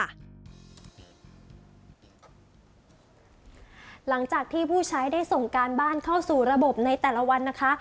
หลังจากที่ผู้ใช้ได้ส่งการบ้านเข้าสู่ระบบในแต่ละวันนะคะ